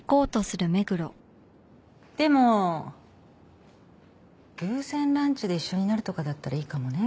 でも偶然ランチで一緒になるとかだったらいいかもね。